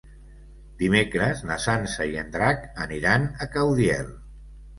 Dimecres na Sança i en Drac aniran a Caudiel.